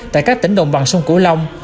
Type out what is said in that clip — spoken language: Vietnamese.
tại các tỉnh đồng bằng sông cửu long